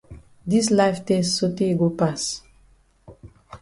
Dis life tess sotay go pass.